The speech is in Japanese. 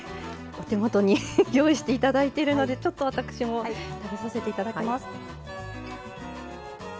手元に用意していただいているのでちょっと私も食べさせていただきます。